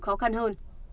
khó khăn hơn